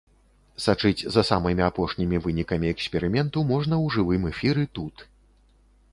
Сачыць за самымі апошнімі вынікамі эксперыменту можна ў жывым эфіры тут.